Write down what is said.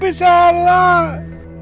papi selamat mengalami